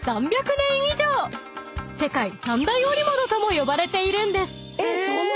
［世界三大織物とも呼ばれているんです］